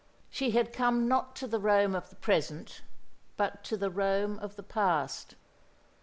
She had come not to the Rome of the present, but to the Rome of the past.